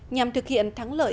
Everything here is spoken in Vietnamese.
nhằm thực hiện thắng lợi